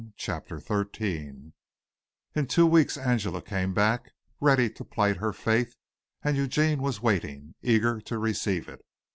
CHAPTER XIII In two weeks Angela came back, ready to plight her faith; and Eugene was waiting, eager to receive it.